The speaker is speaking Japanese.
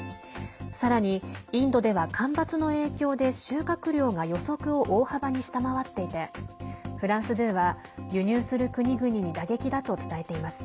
さらにインドでは干ばつの影響で収穫量が予測を大幅に下回っていてフランス２は輸入する国々に打撃だと伝えています。